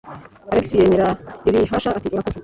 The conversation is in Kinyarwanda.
Alex yemera ibahasha ati: "Urakoze."